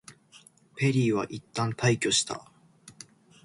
ペリーはいったん退去した。